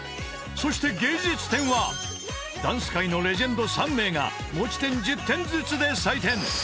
［そして芸術点はダンス界のレジェンド３名が持ち点１０点ずつで採点］